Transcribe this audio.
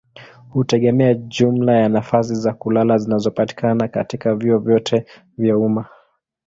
hutegemea jumla ya nafasi za kulala zinazopatikana katika vyuo vyote vya umma.